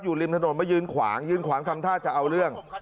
ริมถนนมายืนขวางยืนขวางทำท่าจะเอาเรื่อง